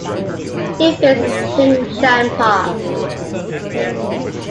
It faces Jingshan Park.